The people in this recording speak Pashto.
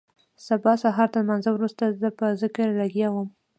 سبا سهارتر لمانځه وروسته زه په ذکر لگيا وم.